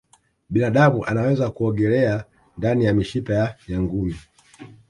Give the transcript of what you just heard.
binadamu anaweza kuogelea ndani ya mishipa ya nyangumi